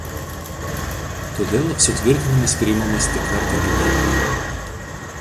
Todėl sutvirtinimas priimamas tik kartą gyvenime.